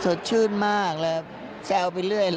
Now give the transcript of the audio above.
สดชื่นมากแล้วแซวไปเรื่อยเลย